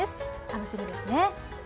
楽しみですね。